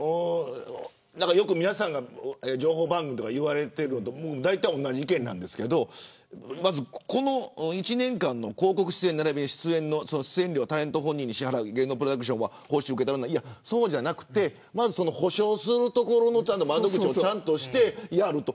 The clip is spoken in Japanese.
よく皆さんが情報番組で言われていることと大体同じ意見ですがこの１年間の広告出演ならびに出演料をタレント本人に支払う芸能プロダクションは報酬を受け取らないじゃなくてまず補償するところの窓口をちゃんとしてやると。